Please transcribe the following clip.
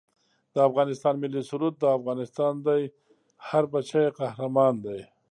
د افغانستان ملي سرود دا افغانستان دی هر بچه یې قهرمان دی